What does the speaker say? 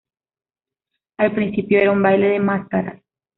Al principio era un baile de máscaras.